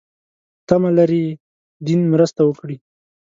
تمه لري دین مرسته وکړي.